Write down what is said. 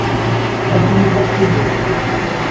Ɣas init-as tidet.